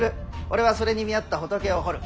俺はそれに見合った仏を彫る。